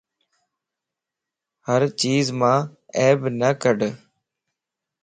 ھر چيز مان عيب نه ڪڍ